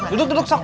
duduk duduk sok